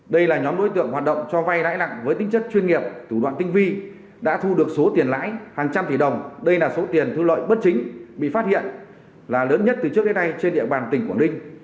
đây là nhóm đối tượng hoạt động cho vay lãi nặng với tính chất chuyên nghiệp thủ đoạn tinh vi đã thu được số tiền lãi hàng trăm tỷ đồng đây là số tiền thu lợi bất chính bị phát hiện là lớn nhất từ trước đến nay trên địa bàn tỉnh quảng ninh